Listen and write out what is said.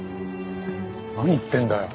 何言ってんだよ？